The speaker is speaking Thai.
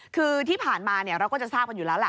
คือที่ผ่านมาเราก็จะทราบกันอยู่แล้วแหละ